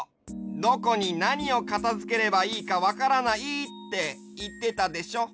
「どこになにをかたづければいいかわからない」っていってたでしょ？